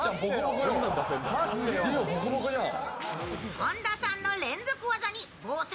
本田さんの連続技に防戦